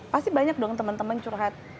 pasti banyak dong teman teman curhat